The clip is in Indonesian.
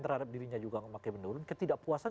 terhadap dirinya juga makin menurun ketidakpuasan